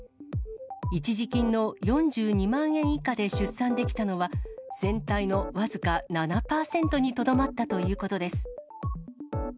一時金の４２万円以下で出産できたのは、全体の僅か７％にとどまったということです。